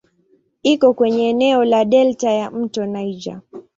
Iko kwenye eneo la delta ya "mto Niger".